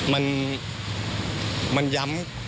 มันย้ำ